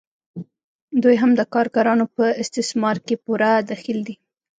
دوی هم د کارګرانو په استثمار کې پوره دخیل دي